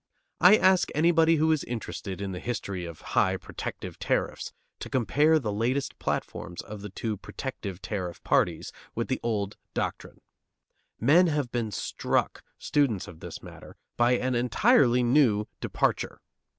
I ask anybody who is interested in the history of high "protective" tariffs to compare the latest platforms of the two "protective" tariff parties with the old doctrine. Men have been struck, students of this matter, by an entirely new departure.